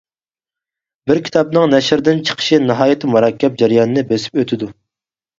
بىر كىتابنىڭ نەشردىن چىقىشى ناھايىتى مۇرەككەپ جەرياننى بېسىپ ئۆتىدۇ.